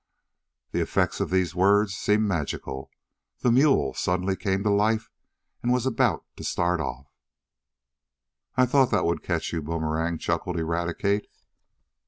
The effect of these words seemed magical. The mule suddenly came to life, and was about to start off. "I done thought dat would cotch yo', Boomerang," chuckled Eradicate.